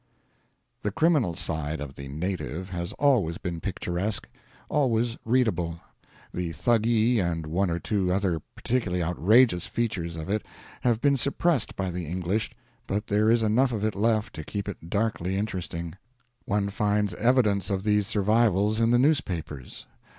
The criminal side of the native has always been picturesque, always readable. The Thuggee and one or two other particularly outrageous features of it have been suppressed by the English, but there is enough of it left to keep it darkly interesting. One finds evidence of these survivals in the newspapers.